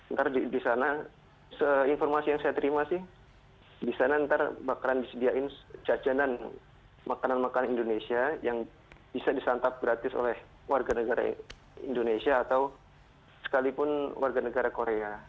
ntar di sana informasi yang saya terima sih di sana ntar bakalan disediain jajanan makanan makanan indonesia yang bisa disantap gratis oleh warga negara indonesia atau sekalipun warga negara korea